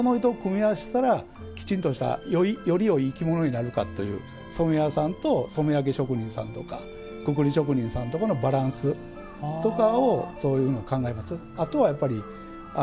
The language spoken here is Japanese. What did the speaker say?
あと、どの糸とどの糸を組み合わせたらきちんとしたいい着物になるかっていう染め上げ職人さんとかくくり職人さんとのバランスとかをそういうのを考えます。